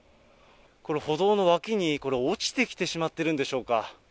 これ、歩道の脇に落ちてきてしまっているんでしょうか。